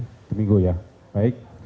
satu minggu ya baik